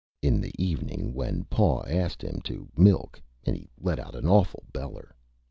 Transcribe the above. In the Evening when Paw ast him to Milk he let out an Awful Beller.